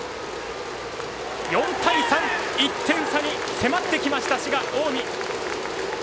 ４対３、１点差に迫ってきました滋賀・近江。